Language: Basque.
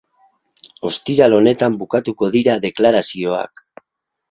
Ostiral honetan bukatuko dira deklarazioak.